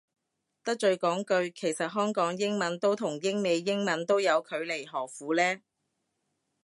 得罪講句，其實香港英文都同英美英文都有距離何苦呢